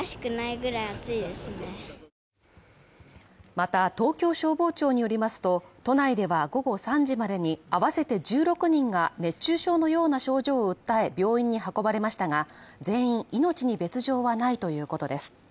また、東京消防庁によりますと、都内では午後３時までに合わせて１６人が熱中症のような症状を訴え病院に運ばれましたが全員、命に別状はないということです。